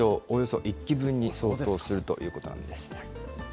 およそ１基分に相当するということなんです。